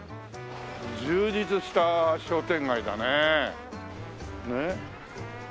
充実した商店街だね。